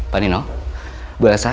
pak nino bu esah